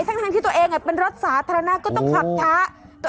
ทั้งที่ตัวเองเป็นรถสาธารณะก็ต้องขับช้า